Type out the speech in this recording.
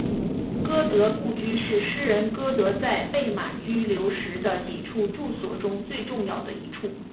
歌德故居是诗人歌德在魏玛居留时的几处住所中最重要的一处。